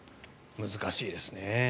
難しいですね。